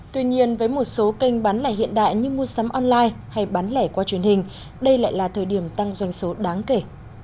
tuy nhiên với một số kênh bán lẻ hiện đại như mua sắm online hay bán lẻ qua truyền hình đây lại là thời điểm tăng doanh số đáng kể